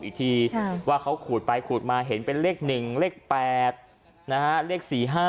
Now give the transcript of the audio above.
อีกทีว่าเขาขูดไปขูดมาเห็นเป็นเลข๑เลข๘นะฮะเลข๔๕